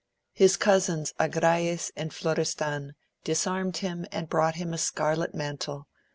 His cousins Agrayes and Florestan disarmed him there and brought him a scarlet mantle!